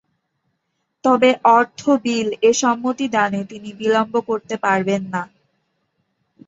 তবে অর্থ বিল এ সম্মতি দানে তিনি বিলম্ব করতে পারবেন না।